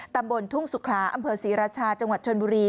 ตำบลทุ่งสุขลาอำเภอศรีราชาจังหวัดชนบุรี